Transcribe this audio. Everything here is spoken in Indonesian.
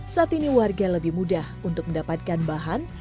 saat ini warga lebih mudah untuk mendapatkan bahan